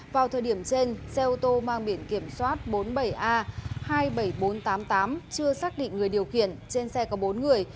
vào thời điểm trên xe ô tô mang biển kiểm soát bốn mươi bảy a hai mươi bảy nghìn bốn trăm tám mươi tám chưa xác định người điều khiển trên xe có bốn người